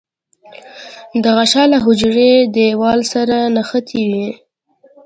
دا غشا له حجروي دیوال سره نښتې وي.